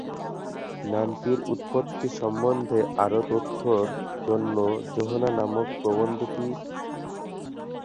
নামটির উৎপত্তি সম্বন্ধে আরও তথ্যের জন্য যোহানা নামক প্রবন্ধটি দেখুন।